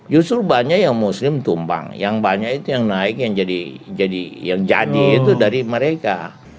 justru banyak yang muslim tumpang yang banyak itu yang naik yang jadi jadi yang jadi itu dari mereka